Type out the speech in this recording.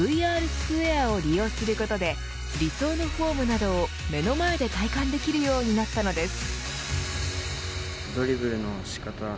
ＶＲＳＱＵＡＲＥを利用することで理想のフォームなどを目の前で体感できるようになったのです。